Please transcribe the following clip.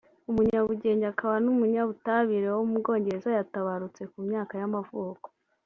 umunyabugenge akaba n’umunyabutabire (chemist-physist) w’umwongereza yaratabarutse ku myaka y’amavuko